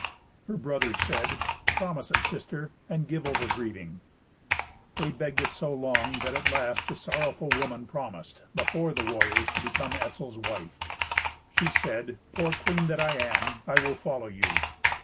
Her brothers said, "Promise it, sister, and give over grieving." They begged it so long that at the last the sorrowful woman promised, before the warriors, to become Etzel's wife. She said, "Poor queen that I am, I will follow you!